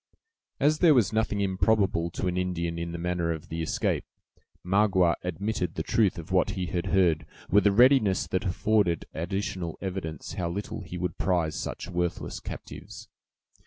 As there was nothing improbable to an Indian in the manner of the escape, Magua admitted the truth of what he had heard, with a readiness that afforded additional evidence how little he would prize such worthless captives.